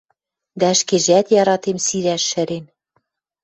Дӓ ӹшкежӓт яратем сирӓш шӹрен.